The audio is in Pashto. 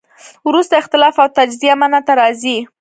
وروسته اختلاف او تجزیه منځ ته راځي.